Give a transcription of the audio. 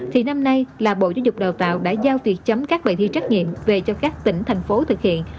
thì năm nay là bộ giáo dục và đào tạo đã giao việc chấm các bài thi trách nhiệm về cho các tỉnh thành phố thực hiện